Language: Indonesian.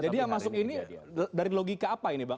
jadi yang masuk ini dari logika apa ini bang